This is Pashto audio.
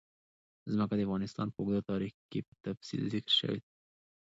ځمکه د افغانستان په اوږده تاریخ کې په تفصیل ذکر شوی دی.